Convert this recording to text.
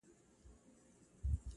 د کيسې دردناک اثر لا هم ذهن کي پاتې,